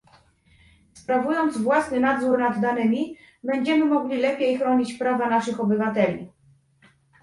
Sprawując własny nadzór nad danymi, będziemy mogli lepiej chronić prawa naszych obywateli